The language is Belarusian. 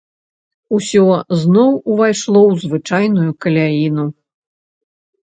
Усё зноў увайшло ў звычайную каляіну.